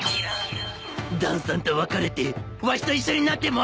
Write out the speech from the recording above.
だんさんと別れてわしと一緒になってもらいまひょ。